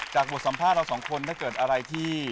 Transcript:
บทสัมภาษณ์เราสองคนถ้าเกิดอะไรที่